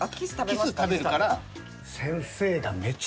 キス食べるから。